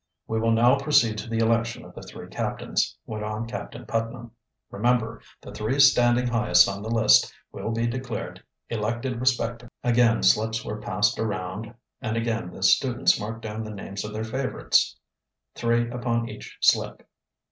"We will now proceed to the election of the three captains," went on Captain Putnam. "Remember, the three standing highest on the list will be declared elected respectively." Again slips were passed around and again the students marked down the names of their favorites, three upon each slip.